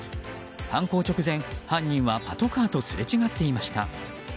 犯行直前、犯人はパトカーとすれ違っていました。